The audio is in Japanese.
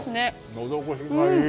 のど越しがいい。